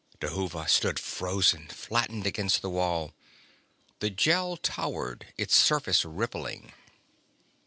Dhuva stood frozen, flattened against the wall. The Gel towered, its surface rippling.